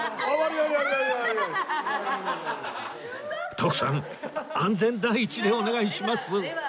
徳さん安全第一でお願いします